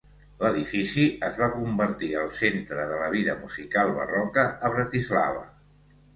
L'edifici es va convertir al centre de la vida musical barroca a Bratislava.